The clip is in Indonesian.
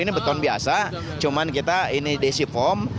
ini beton biasa cuman kita ini dc form